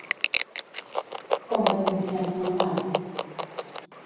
Quan va iniciar-se en l'art?